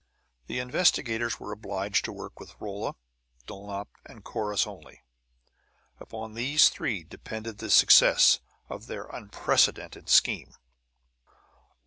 The investigators were obliged to work with Rolla, Dulnop, and Corrus only; upon these three depended the success of their unprecedented scheme.